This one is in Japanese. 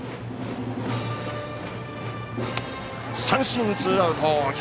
三振、ツーアウト。